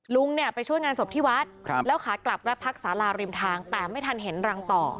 ลุงเนี่ยไปช่วยงานศพที่วัดแล้วขากลับแวะพักสาราริมทางแต่ไม่ทันเห็นรังต่อ